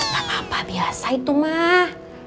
kenapa biasa itu mah